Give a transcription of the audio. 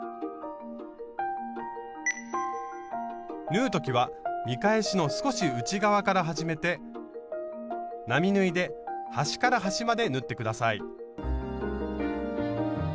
縫う時は見返しの少し内側から始めて並縫いで端から端まで縫って下さい。